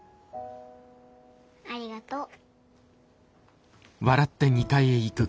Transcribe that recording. ありがとう。